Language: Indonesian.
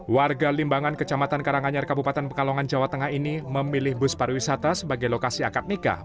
warga limbangan kecamatan karanganyar kabupaten pekalongan jawa tengah ini memilih bus pariwisata sebagai lokasi akad nikah